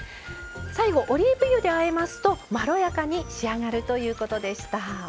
最後オリーブ油であえますとまろやかに仕上がるということでした。